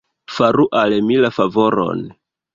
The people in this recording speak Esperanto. Faru al mi la favoron.